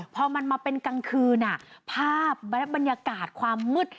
พอมันมาเป็นกลางคืนภาพบรรยากาศความมืด